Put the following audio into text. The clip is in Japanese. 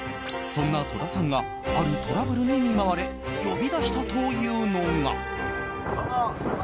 そんな戸田さんがあるトラブルに見舞われ呼び出したというのが。